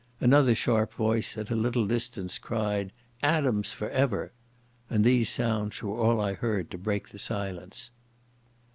Another sharp voice, at a little distance, cried, "Adams for ever!" And these sounds were all I heard to break the silence.